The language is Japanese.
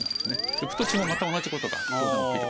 翌年もまた同じ事が当然起きる。